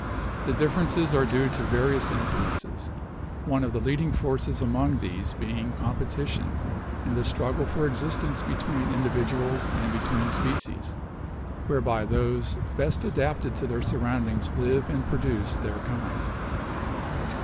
The differ ences are due to various influences, one of the leading forces among these being competition in the struggle for existence between individuals and between species, where by those best adapted to their surroundings live and pro duce their kind."